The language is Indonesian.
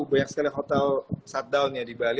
banyak sekali hotel shutdown ya di bali